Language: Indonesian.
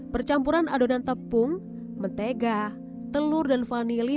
percampuran adonan tepung mentega telur dan vanili